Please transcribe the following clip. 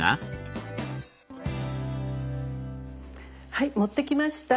はい持ってきました！